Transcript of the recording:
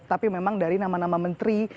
tapi memang dari nama nama menteri